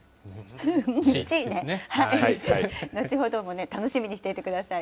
後ほどもね、楽しみにしていてください。